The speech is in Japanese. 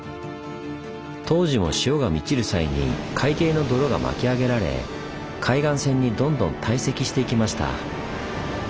当時も潮が満ちる際に海底の泥が巻き上げられ海岸線にどんどん堆積していきました。